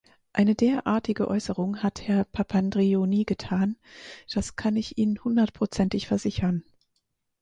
Eine derartige Äußerung hat Herr Papandreou nie getan, das kann ich Ihnen hundertprozentig versichern.